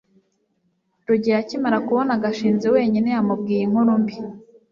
rugeyo akimara kubona gashinzi wenyine, yamubwiye inkuru mbi